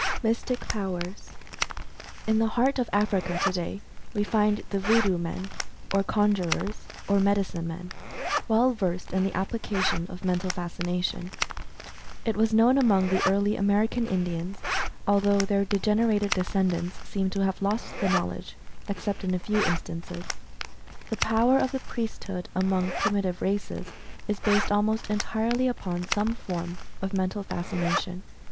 MYSTIC POWERS. In the heart of Africa today, we find the Voodoo men, or Conjurers, or Medicine Men, well versed in the application of Mental Fascination. It was also Story of Mental Fascination 25 known among the early American Indians, although their degenerated descendants seem to have lost the knowledge, except in a few instances. The power of the priesthood among primitive races, is based almost entirely upon some form of Mental Fascination.